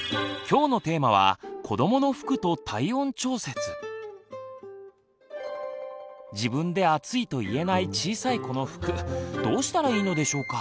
今日のテーマは自分で暑いと言えない小さい子の服どうしたらいいのでしょうか。